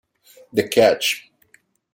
The Catch